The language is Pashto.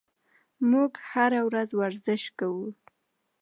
موږ هره ورځ ورزش کوو.